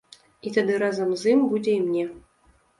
І тады разам з ім будзе і мне.